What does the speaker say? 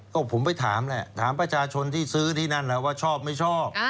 ก็ผมไปถามแหละถามประชาชนที่ซื้อที่นั่นแหละว่าชอบไม่ชอบ